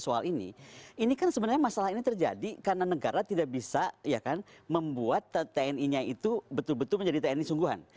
soal ini ini kan sebenarnya masalah ini terjadi karena negara tidak bisa membuat tni nya itu betul betul menjadi tni sungguhan